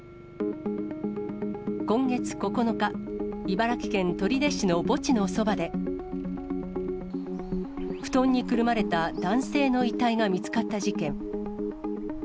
今月９日、茨城県取手市の墓地のそばで、布団にくるまれた男性の遺体が見つかった事件。